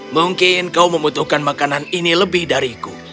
mungkin kau membutuhkan makanan ini lebih dariku